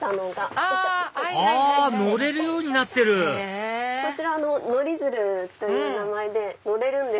あ乗れるようになってるこちら乗り鶴という名前で乗れるんです。